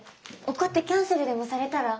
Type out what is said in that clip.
怒ってキャンセルでもされたら。